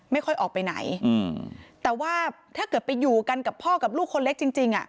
ไม่ค่อยออกไปไหนอืมแต่ว่าถ้าเกิดไปอยู่กันกับพ่อกับลูกคนเล็กจริงจริงอ่ะ